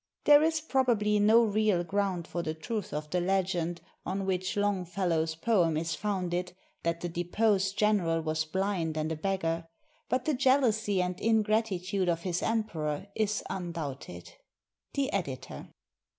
There is probably no real ground for the truth of the legend on which Longfellow's poem is founded, that the deposed gen eral was blind and a beggar; but the jealousy and ingratitude of his emperor is undoubted. The Editor.